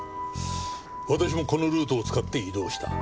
私もこのルートを使って移動した。